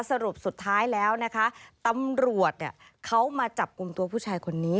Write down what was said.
สรุปสุดท้ายแล้วนะคะตำรวจเขามาจับกลุ่มตัวผู้ชายคนนี้